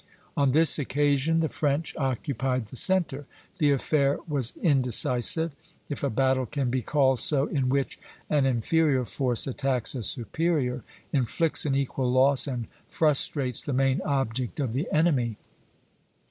On this occasion the French occupied the centre. The affair was indecisive, if a battle can be called so in which an inferior force attacks a superior, inflicts an equal loss, and frustrates the main object of the enemy.